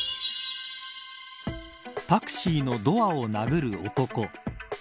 タクシーのドアを殴る男。